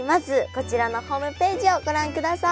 こちらのホームページをご覧ください。